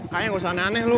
kayaknya gak usah aneh dua lo